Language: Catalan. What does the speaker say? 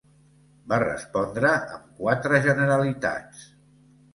Va respondre amb quatre generalitats.